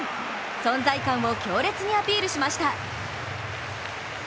存在感を強烈にアピールしました。